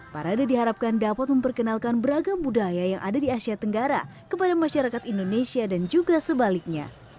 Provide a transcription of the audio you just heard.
parade diharapkan dapat memperkenalkan beragam budaya yang ada di asia tenggara kepada masyarakat indonesia dan juga sebaliknya